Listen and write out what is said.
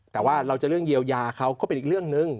แต่ว่าเราจะเรื่องเยียวยาเขาก็เป็นอีกเรื่องหนึ่ง